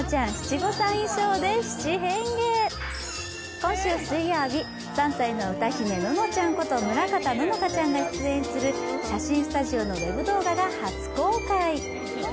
今週水曜日、３歳の歌姫・ののちゃんこと、村方乃々佳ちゃんが出演する写真スタジオのウェブ動画が初公開。